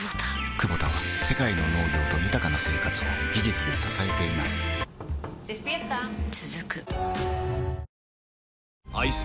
クボタは世界の農業と豊かな生活を技術で支えています起きて。